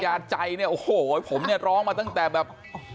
ยาใจเนี่ยโอ้โหผมเนี่ยร้องมาตั้งแต่แบบ